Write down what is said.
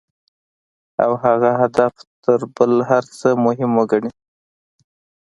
او هغه هدف تر بل هر څه مهم وګڼي.